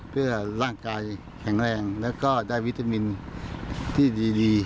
เพื่อร่างกายแข็งแรงแล้วก็ได้วิตามินที่ดี